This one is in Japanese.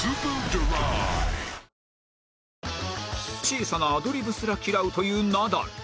小さなアドリブすら嫌うというナダル